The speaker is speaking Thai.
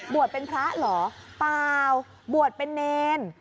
เป็นพระเหรอเปล่าบวชเป็นเนร